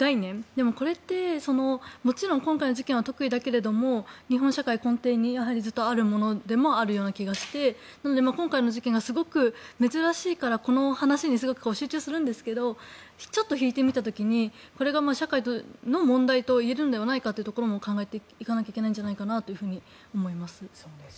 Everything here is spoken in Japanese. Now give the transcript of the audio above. でもこれって、もちろん今回の事件は特異だけれども日本社会の根底にずっとあるような気がして今回の事件がすごく珍しいからこの話にすごく集中するんですけどちょっと引いて見た時にこれが社会の問題といえるのではないかということも考えていかなきゃいけないんじゃないかなと思います。